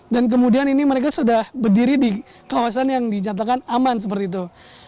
dan kemudian ini mereka sudah berdiri di kawasan yang dicatakan aman seperti itu